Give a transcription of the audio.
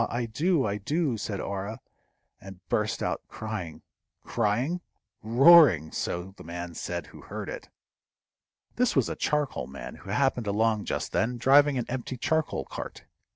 I do! I do!" said Orah, and burst out crying. Crying? roaring! so the man said who heard it. This was a charcoal man who happened along just then, driving an empty charcoal cart.